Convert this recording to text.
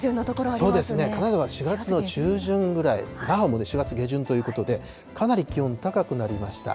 そうですね、金沢、４月の中旬ぐらい、那覇も４月下旬ということで、かなり気温高くなりました。